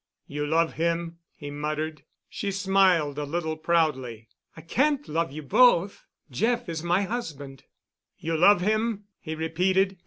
"You love him?" he muttered. She smiled a little proudly. "I can't love you both. Jeff is my husband." "You love him?" he repeated.